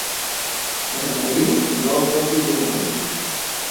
Per l'abril, no em toquis la raïl.